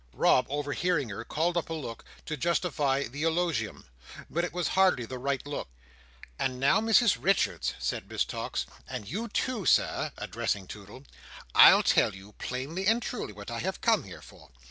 Rob, overhearing her, called up a look, to justify the eulogium, but it was hardly the right look. "And now, Mrs Richards," said Miss Tox,—"and you too, Sir," addressing Toodle—"I'll tell you, plainly and truly, what I have come here for.